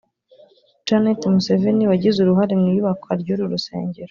Janet Museveni Wagize uruhare mu iyubakwa ry’uru rusengero